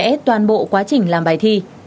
hết toàn bộ quá trình làm bài thi